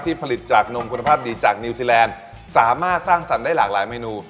ผลิตจากนมคุณภาพดีจากนิวซีแลนด์สามารถสร้างสรรค์ได้หลากหลายเมนู